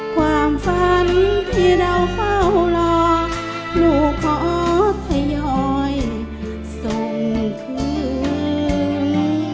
ความฝันที่เราเฝ้ารอลูกขอทยอยส่งคืน